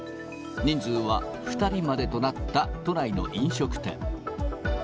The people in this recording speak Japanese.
人数は２人までとなった都内の飲食店。